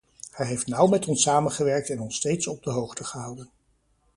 Hij heeft nauw met ons samengewerkt en ons steeds op de hoogte gehouden.